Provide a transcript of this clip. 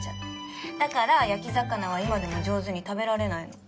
だから焼き魚は今でも上手に食べられないの。